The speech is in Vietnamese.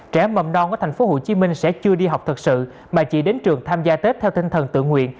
trẻ mầm non ở tp hcm sẽ chưa đi học thật sự mà chỉ đến trường tham gia tết theo tinh thần tự nguyện